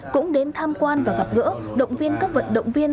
cũng đến tham quan và gặp gỡ động viên các vận động viên